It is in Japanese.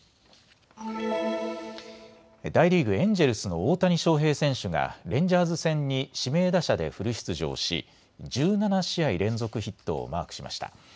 大リーグ、エンジェルスの大谷翔平選手がレンジャーズ戦に指名打者でフル出場し１７試合連続ヒットをマークしました。